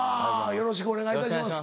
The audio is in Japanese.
よろしくお願いします。